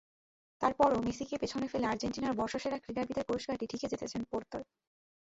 তার পরও মেসিকে পেছনে ফেলে আর্জেন্টিনার বর্ষসেরা ক্রীড়াবিদের পুরস্কারটা ঠিকই জিতেছেন পোর্তো।